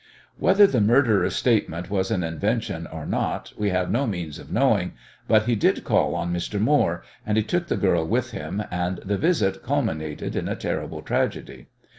Whether the murderer's statement was an invention or not we have no means of knowing, but he did call on Mr. Moore, and he took the girl with him, and the visit culminated in a terrible tragedy.